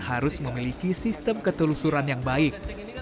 harus memiliki sistem ketelusuran yang baik